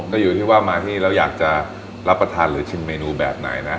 ก็อยู่ที่ว่ามาที่นี่แล้วอยากจะรับประทานหรือชิมเมนูแบบไหนนะ